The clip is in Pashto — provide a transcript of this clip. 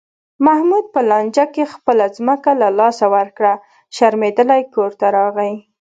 محمود په لانجه کې خپله ځمکه له لاسه ورکړه، شرمېدلی کورته راغی.